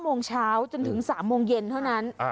โมงเช้าจนถึง๓โมงเย็นเท่านั้น